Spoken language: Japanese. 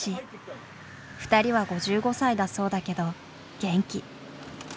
２人は５５歳だそうだけど元気。